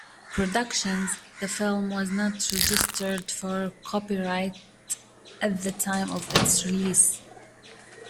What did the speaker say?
Productions, the film was not registered for copyright at the time of its release.